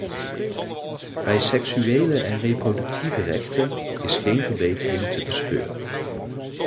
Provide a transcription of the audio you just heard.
Bij seksuele en reproductieve rechten is geen verbetering te bespeuren.